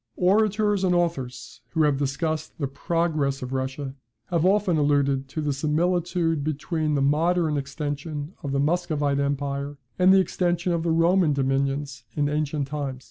Orators and authors, who have discussed the progress of Russia, have often alluded to the similitude between the modern extension of the Muscovite empire and the extension of the Roman dominions in ancient times.